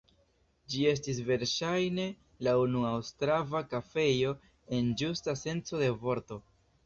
Ĝi estis verŝajne la unua ostrava kafejo en ĝusta senco de vorto.